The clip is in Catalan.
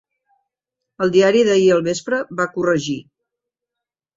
"El diari d'ahir al vespre", va corregir.